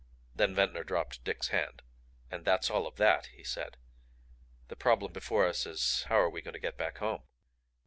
Then Ventnor dropped Dick's hand. "And that's all of THAT," he said. "The problem before us is how are we going to get back home?"